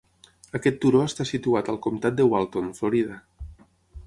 Aquest turó està situat al comtat de Walton, Florida.